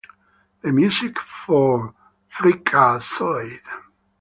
The music for Freakazoid!